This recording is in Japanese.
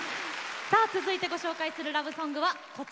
さあ続いてご紹介するラブソングはこちらです。